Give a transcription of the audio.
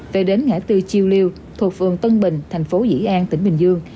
về đến ngã tư chiêu liêu thuộc phường tân bình thành phố dĩ an tỉnh bình dương